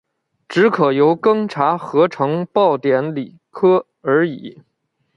只可由庚查核呈报典礼科而已。